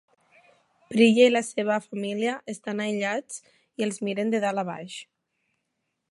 Priya i la seva família estan aïllats i els miren de dalt a baix.